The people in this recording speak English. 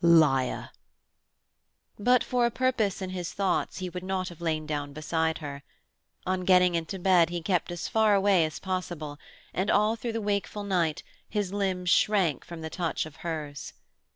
Liar!" But for a purpose in his thoughts he would not have lain down beside her. On getting into bed he kept as far away as possible, and all through the wakeful night his limbs shrank from the touch of hers.